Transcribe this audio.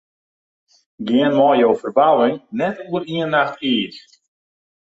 Gean mei jo ferbouwing net oer ien nacht iis.